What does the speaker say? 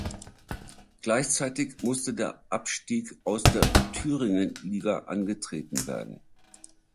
Gleichzeitig musste der Abstieg aus der Thüringenliga angetreten werden.